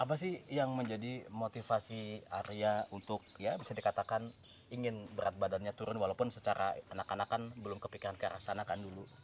apa sih yang menjadi motivasi arya untuk ya bisa dikatakan ingin berat badannya turun walaupun secara anak anak kan belum kepikiran ke arah sana kan dulu